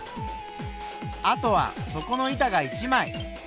あとは底の板が１枚。